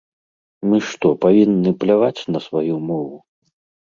Мы што, павінны пляваць на сваю мову?